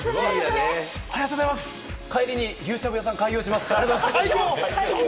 帰りに牛しゃぶ屋さんを開業します！